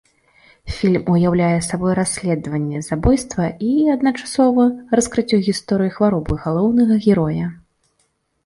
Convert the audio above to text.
Фільм уяўляе сабой расследаванне забойства і, адначасова, раскрыццё гісторыі хваробы галоўнага героя.